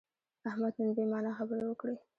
احمد نن بې معنا خبرې وکړې.